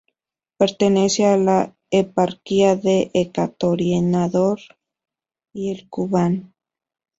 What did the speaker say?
Pertenece a la eparquía de Ekaterinodar y el Kubán.